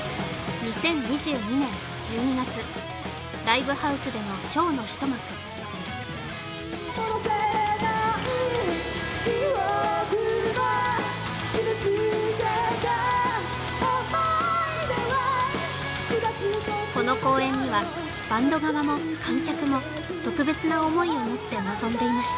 ２０２２年１２月ライブハウスでのショーの一幕戻せない記憶も傷つけた思い出は二つとこの公演にはバンド側も観客も特別な思いを持って臨んでいました